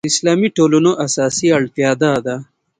د اسلامي ټولنو اساسي اړتیا دا ده.